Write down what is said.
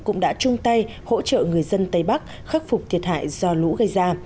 cũng đã chung tay hỗ trợ người dân tây bắc khắc phục thiệt hại do lũ gây ra